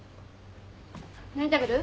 何食べる？